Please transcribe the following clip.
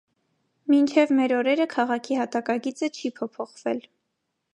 Մինչև մեր օրերը քաղաքի հատակագիծը չի փոփոխել։